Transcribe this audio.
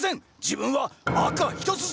自分は赤一筋！